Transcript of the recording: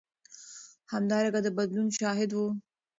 همدارنګه د بدلون شاهد و.